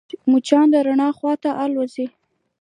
مچان د رڼا خواته الوزي